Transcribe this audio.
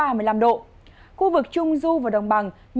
các bạn hãy đăng ký kênh để ủng hộ kênh của chúng mình nhé